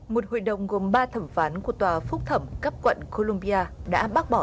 một hội đồng gồm ba thẩm phán của tòa phúc thẩm cấp quận colombia đã bác bỏ